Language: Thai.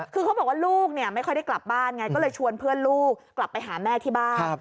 คือเขาบอกว่าลูกไม่ค่อยได้กลับบ้านไงก็เลยชวนเพื่อนลูกกลับไปหาแม่ที่บ้าน